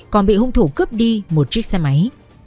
còn bị hung thủ cướp đi một chiếc xe máy